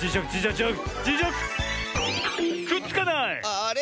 あれ？